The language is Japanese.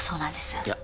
いや。